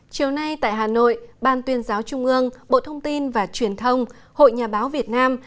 chiều nay tại hà nội ban tuyên giáo trung ương bộ thông tin và truyền thông hội nhà báo việt nam